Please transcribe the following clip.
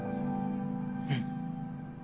うん。